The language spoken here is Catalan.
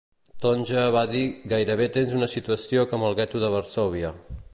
Tonge va dir "Gairebé tens una situació com el gueto de Varsòvia".